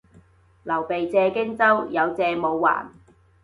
劉備借荊州，有借冇還